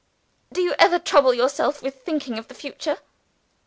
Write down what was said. Do you ever trouble yourself with thinking of the future?"